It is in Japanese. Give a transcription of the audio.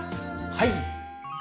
はい！